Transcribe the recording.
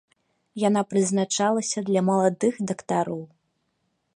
Яна прызначалася для маладых дактароў.